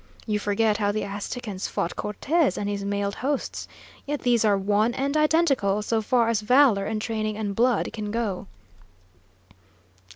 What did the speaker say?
"You forget how the Aztecans fought Cortez and his mailed hosts. Yet these are one and identical, so far as valour and training and blood can go."